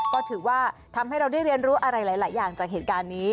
ก็ถือว่าทำให้เราได้เรียนรู้อะไรหลายอย่างจากเหตุการณ์นี้